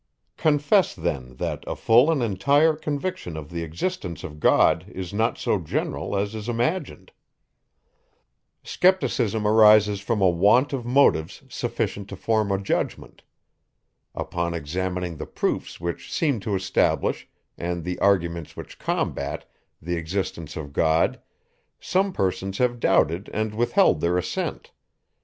Confess then, that a full and entire conviction of the existence of God is not so general, as is imagined. Scepticism arises from a want of motives sufficient to form a judgment. Upon examining the proofs which seem to establish, and the arguments which combat, the existence of God, some persons have doubted and withheld their assent.